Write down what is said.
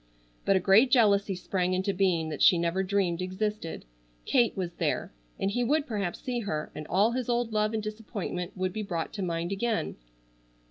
But a great jealousy sprang into being that she never dreamed existed. Kate was there, and he would perhaps see her, and all his old love and disappointment would be brought to mind again.